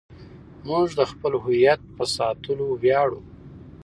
موږ د خپل هویت په ساتلو ویاړو.